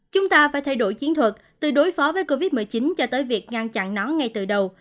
chúng ta phải thay đổi chiến thuật từ đối phó với covid một mươi chín cho tới việc ngăn chặn nó ngay từ đầu